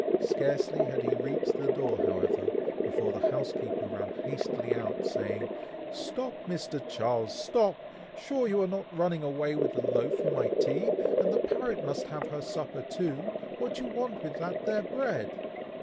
Scarcely had he reached the door, however, before the housekeeper ran hastily out, saying, "Stop, Mr. Charles! stop! sure you are not running away with the loaf for my tea, and the parrot must have her supper too. What do you want with that there bread?"